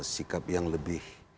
sikap yang lebih